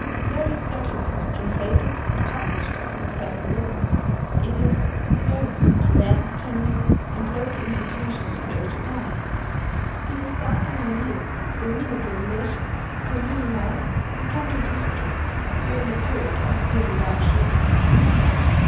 Various documents translated and published by Professor Wigmore, in his "Notes on Land Tenure and Local Institutions in Old Japan," give a startling idea of the minute regulation of communal life in country districts during the period of the Tokujawa Shoguns.